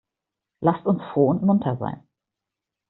Lasst uns froh und munter sein!